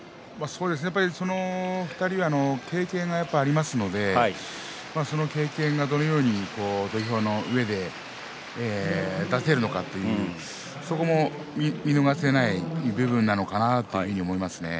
その２人は経験がありますのでその経験がどのように土俵の上で出せるのかというそこも見逃せない部分なのかなというふうに思いますね。